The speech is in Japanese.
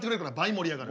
盛り上がる？